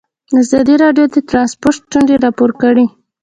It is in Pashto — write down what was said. ازادي راډیو د ترانسپورټ ستونزې راپور کړي.